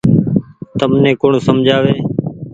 تمني ڪوڻ سمجها وي ۔